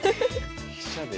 飛車で。